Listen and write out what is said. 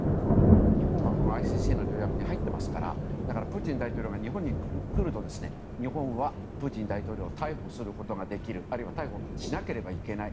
日本はＩＣＣの条約に入っていますからプーチン大統領が日本に来ると、日本はプーチン大統領を逮捕することができるあるいは逮捕しなければいけない。